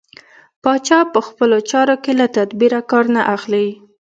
پاچا په خپلو چارو کې له تدبېره کار نه اخلي.